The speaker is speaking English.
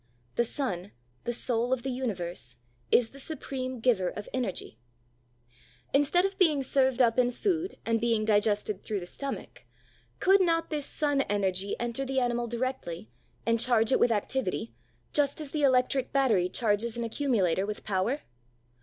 The sun, the soul of the universe, is the supreme giver of energy. Instead of being served up in food and being digested through the stomach, could not this sun energy enter the animal directly and charge it with activity, just as the electric battery charges an accumulator with power?